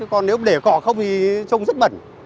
còn nếu để cỏ không thì trông rất bẩn